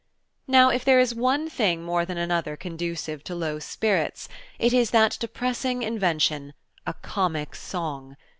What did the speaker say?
Now, if there is one thing more than another conducive to low spirits, it is that depressing invention–a comic song!